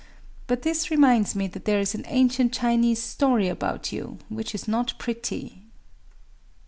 But this reminds me that there is an ancient Chinese story about you, which is not pretty.